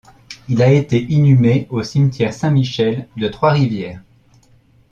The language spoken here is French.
Il a été inhumé au cimetière Saint-Michel de Trois-Rivières.